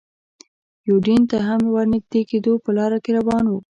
یوډین ته هم ور نږدې کېدو، په لاره کې روان و.